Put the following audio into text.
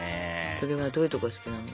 それはどういうとこが好きなの？